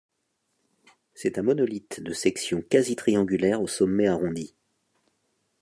C'est un monolithe de section quasi-triangulaire au sommet arrondi.